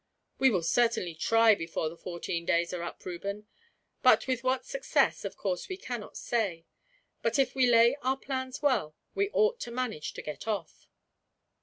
"We will certainly try before the fourteen days are up, Reuben; but with what success, of course we cannot say. But if we lay our plans well, we ought to manage to get off."